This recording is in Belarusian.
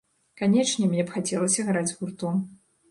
Канечне, мне б хацелася граць з гуртом.